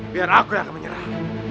biar aku yang akan menyerah